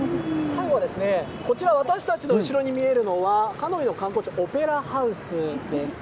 こちら、私たちの後ろに見えるのはハノイの観光地オペラハウスです。